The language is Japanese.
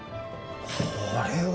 これは！